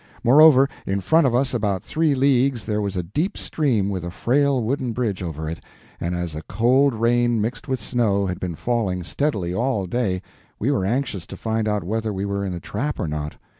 Moreover, in front of us about three leagues there was a deep stream with a frail wooden bridge over it, and as a cold rain mixed with snow had been falling steadily all day we were anxious to find out whether we were in a trap or not.